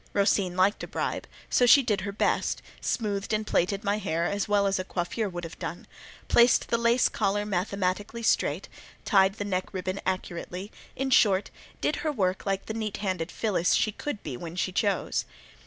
Rosine liked a bribe, so she did her best, smoothed and plaited my hair as well as a coiffeur would have done, placed the lace collar mathematically straight, tied the neck ribbon accurately—in short, did her work like the neat handed Phillis she could be when she chose.